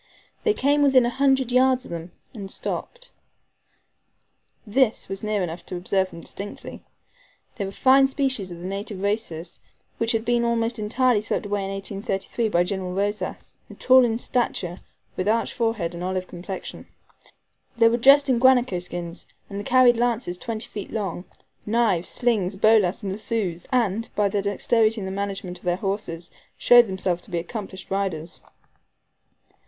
They came within a hundred yards of them, and stopped. This was near enough to observe them distinctly. They were fine specimens of the native races, which had been almost entirely swept away in 1833 by General Rosas, tall in stature, with arched forehead and olive complexion. They were dressed in guanaco skins, and carried lances twenty feet long, knives, slings, bolas, and lassos, and, by their dexterity in the management of their horses, showed themselves to be accomplished riders.